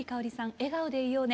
「笑顔でいようね」